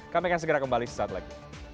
kami akan segera kembali sesaat lagi